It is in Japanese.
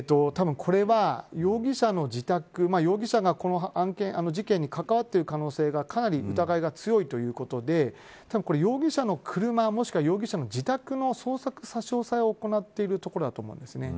これは容疑者の自宅容疑者がこの事件に関わっている可能性がかなり疑いが強いということでたぶん容疑者の車もしくは容疑者の自宅の差し押さえを行っているところだと思います。